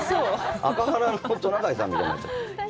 赤鼻のトナカイさんみたいになっちゃって。